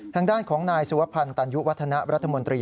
ทางด้านของนายสุวพันธ์ตันยุวัฒนะรัฐมนตรี